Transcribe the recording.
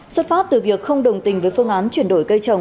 xuất phát từ việc không đồng tình với phương án chuyển đổi cây trồng